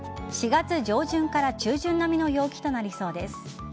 ４月上旬から中旬並みの陽気となりそうです。